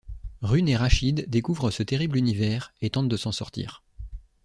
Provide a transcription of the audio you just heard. Rune et Rashid découvrent ce terrible univers, et tentent de s'en sortir.